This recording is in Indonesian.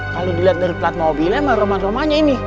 kalau dilihat dari plat mobilnya emang rumah rumahnya ini